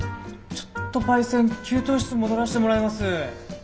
ちょっとパイセン給湯室戻らしてもらいます。